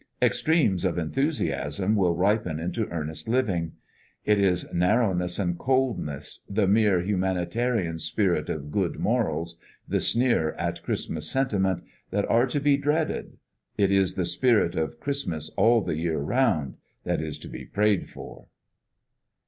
Extremes of enthusiasm will ripen into earnest living. It is narrowness and coldness, the mere humanitarian spirit of good morals, the sneer at Christmas sentiment, that are to be dreaded. It is the spirit of "Christmas all the year round" that is to be prayed for.